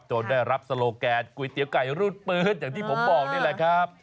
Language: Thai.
ได้รับโซโลแกนก๋วยเตี๋ยวไก่รูดปืนอย่างที่ผมบอกนี่แหละครับ